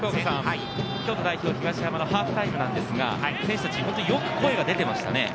東山のハーフタイムなんですが、選手たちは本当によく声が出てました。